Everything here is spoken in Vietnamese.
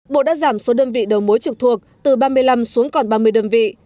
bộ đã giảm số đơn vị đầu mối trực thuộc từ ba mươi năm xuống còn ba mươi đơn vị